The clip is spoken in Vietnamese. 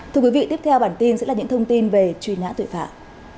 thưa quý vị tiếp theo bản tin sẽ là những thông tin về truy nã tội phạm